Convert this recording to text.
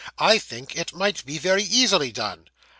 'I think it might be very easily done.